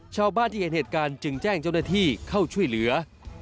ชาวบ้านที่เห็นเหตุการณ์จึงแจ้งเจ้าหน้าที่เข้าช่วยเหลือ